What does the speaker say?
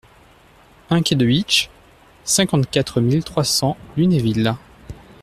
un quai de Bitche, cinquante-quatre mille trois cents Lunéville